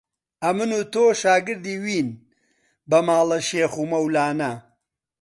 ئەمن و تۆ شاگردی وین بە ماڵە شێخ مەولانە